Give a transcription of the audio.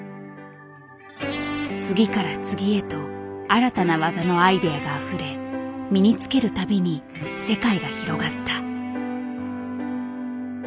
次から次へと新たな技のアイデアがあふれ身につけるたびに世界が広がった。